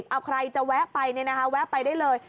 เอาใครจะแวะไปเนี่ยนะคะแวะไปได้เลย